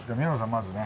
まずね。